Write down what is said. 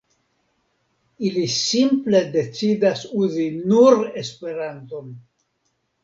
Ili simple decidas uzi nur Esperanton.